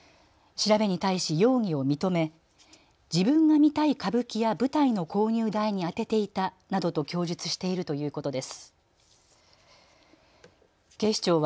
調べに対し容疑を認め自分が見たい歌舞伎や舞台の購入代に充てていたなどと供述しているということです。